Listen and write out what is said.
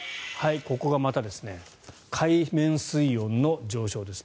ここがまた海面水温の上昇です。